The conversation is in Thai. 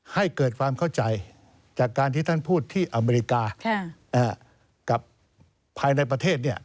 ให้เกิดความเข้าใจจากการที่ท่านพูดที่อเมริกากับภายในประเทศ